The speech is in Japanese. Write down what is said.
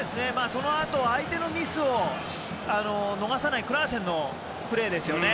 それと相手のミスを逃さないクラーセンのプレーですよね。